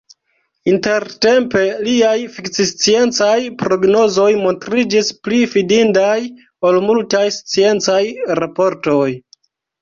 Intertempe, liaj fikcisciencaj prognozoj montriĝis pli fidindaj ol multaj sciencaj raportoj.